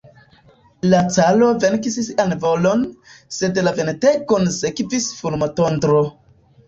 La caro venkis sian volon, sed la ventegon sekvis fulmotondro.